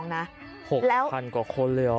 ๖๒๓๒นะ๖๐๐๐กว่าคนเลยหรอ